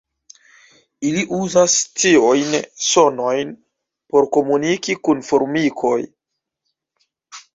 Ili uzas tiujn sonojn por komuniki kun formikoj.